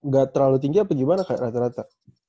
gak terlalu tinggi apa gimana kayak rata rata